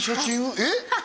えっ！？